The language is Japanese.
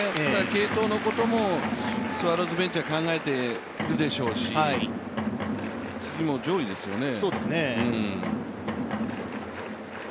継投のこともスワローズベンチは考えているでしょうし次もう上位ですよね。